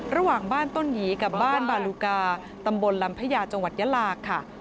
ระหว่างบ้านต้นหยีกับบ้านบาลูกาตำบลลำพญาจังหวัดยาลาค่ะ